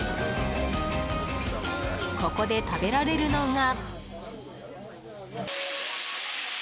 ここで食べられるのが。